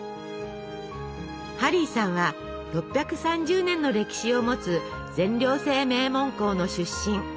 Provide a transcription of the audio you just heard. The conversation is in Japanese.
ハリーさんは６３０年の歴史をもつ全寮制名門校の出身。